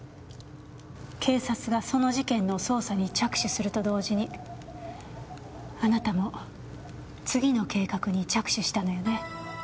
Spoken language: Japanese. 警察がその事件の捜査に着手すると同時にあなたも次の計画に着手したのよね？